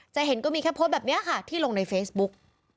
จะเห็นก็มีแค่โพสต์แบบนี้ค่ะที่ลงในเฟซบุ๊ก